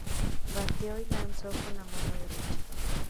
Bateó y lanzó con la mano derecha.